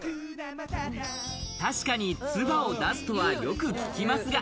確かに唾を出すとはよく聞きますが。